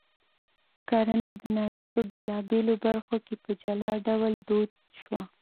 کرنه د نړۍ په بېلابېلو برخو کې په جلا ډول دود شوه